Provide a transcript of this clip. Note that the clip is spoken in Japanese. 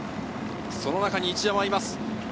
その中に一山がいます。